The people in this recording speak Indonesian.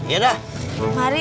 ganti dah bang